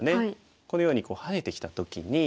このようにハネてきた時に。